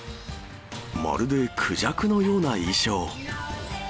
まるでクジャクのような衣装。